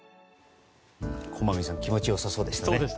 駒見さん気持ちよさそうでしたね。